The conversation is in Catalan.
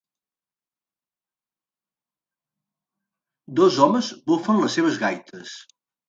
Dos home bufen les seves gaites.